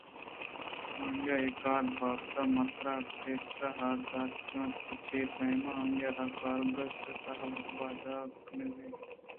آئی ءِ کار ءِ بابتءَ من ترا پیسرا حال داتگ اَت کہ چے پیم آئی ءَ را کارگس ءِ تہا ودار کنائینگ بیت